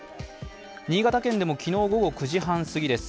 新潟県でも昨日午後９時半過ぎです。